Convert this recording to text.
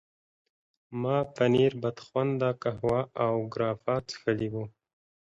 ما پنیر، بدخونده قهوه او ګراپا څښلي وو.